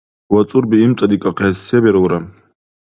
ВацӀурби имцӀадикӀахъес се бирулра?